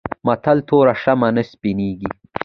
متل: توره شمه نه سپينېږي.